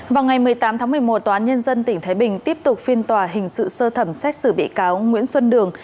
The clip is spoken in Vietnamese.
vào ngày một mươi tám tháng một mươi một tòa án nhân dân tỉnh thái bình tiếp tục phiên tòa hình sự sơ thẩm xét xử bị cáo nguyễn xuân đường